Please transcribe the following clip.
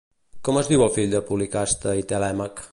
Com es diu el fill de Policasta i Telèmac?